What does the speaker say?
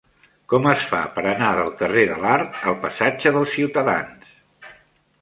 Com es fa per anar del carrer de l'Art al passatge dels Ciutadans?